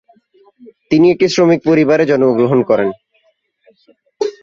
তিনি একটি শ্রমিক পরিবারে জন্ম গ্রহণ করেন।